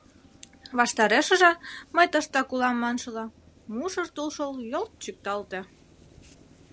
Ваштарешыже, мый тыштак улам маншыла, мужыр тулшол йолт чӱкталте.